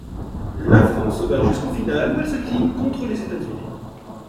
La France va jusqu'en finale où elle s'incline contre les États-Unis.